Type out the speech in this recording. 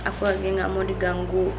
aku lagi gak mau diganggu